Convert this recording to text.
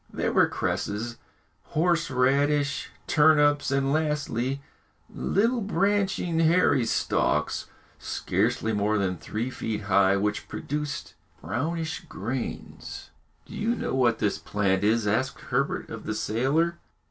There were cresses, horse radish, turnips, and lastly, little branching hairy stalks, scarcely more than three feet high, which produced brownish grains. "Do you know what this plant is?" asked Herbert of the sailor.